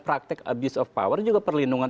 praktek abuse of power juga perlindungan